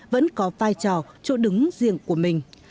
vẫn có vai trò chỗ đứng riêng của mình